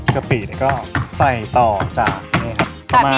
กะปินี่ก็ใส่ต่อจากเนี่ยครับ